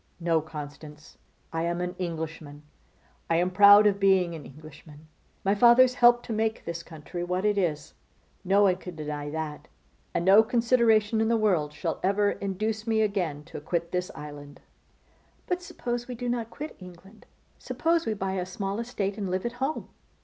No! Constance, I am an Englishman: I am proud of being an Englishman. My fathers helped to make this country what it is; no one can deny that; and no consideration in the world shall ever induce me again to quit this island.' 'But suppose we do not quit England. Suppose we buy a small estate and live at home.